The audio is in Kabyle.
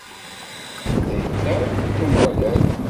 D ayla n Umeɣlal!